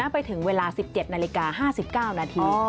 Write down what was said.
ไปถึงเวลา๑๗นาฬิกา๕๙นาที